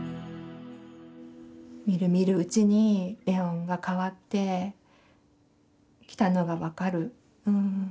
みるみるうちにレオンが変わってきたのが分かる。